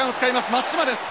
松島です。